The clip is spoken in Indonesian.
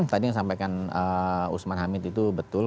tadi yang disampaikan usman hamid itu betul